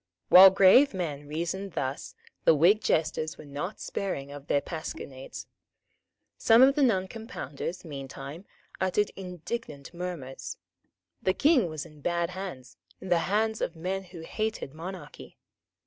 While grave men reasoned thus, the Whig jesters were not sparing of their pasquinades. Some of the Noncompounders, meantime, uttered indignant murmurs. The King was in bad hands, in the hands of men who hated monarchy.